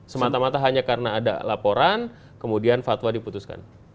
semata mata hanya karena ada laporan kemudian fatwa diputuskan